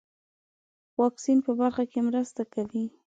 واکسین په برخه کې مرسته کوي.